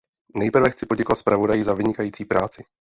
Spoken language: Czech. Nejprve chci poděkovat zpravodaji za vynikající práci.